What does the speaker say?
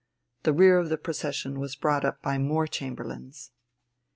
The rear of the procession was brought up by more chamberlains.